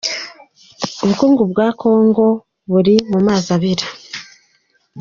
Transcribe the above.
"Ubukungu bwa Kongo buri mu mazi abira.